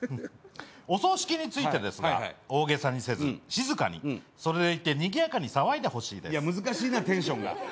お葬式についてですが大げさにせず静かにそれでいてにぎやかに騒いでほしいです。いや難しいなテンションが。